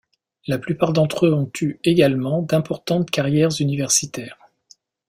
La plupart d'entre eux ont eu également d'importantes carrières universitaires.